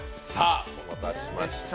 お待たせしました。